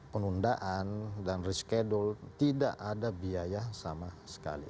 penundaan dan reschedule tidak ada biaya sama sekali